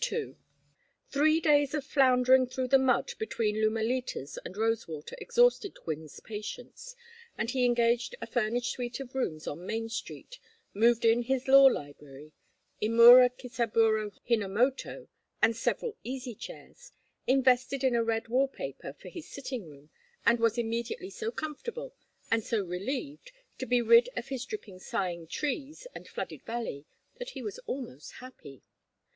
II Three days of floundering through the mud between Lumalitas and Rosewater exhausted Gwynne's patience, and he engaged a furnished suite of rooms on Main Street, moved in his law library, Imura Kisaburo Hinomoto, and several easy chairs, invested in a red wall paper for his sitting room, and was immediately so comfortable, and so relieved to be rid of his dripping sighing trees and flooded valley, that he was almost happy.